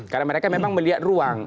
karena mereka memang melihat ruang